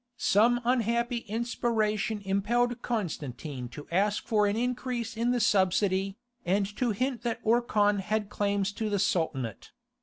Some unhappy inspiration impelled Constantine to ask for an increase in the subsidy, and to hint that Orkhan had claims to the Sultanate.